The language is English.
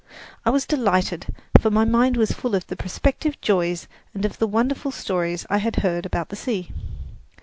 I was delighted, for my mind was full of the prospective joys and of the wonderful stories I had heard about the sea.